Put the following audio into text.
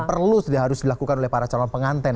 perlu harus dilakukan oleh para calon penganten